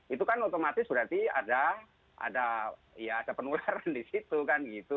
itu kan otomatis berarti ada penularan di situ kan gitu